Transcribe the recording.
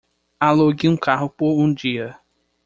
Alugue um carro por um dia